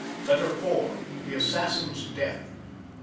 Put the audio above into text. LETTER IV. THE ASSASSIN'S DEATH.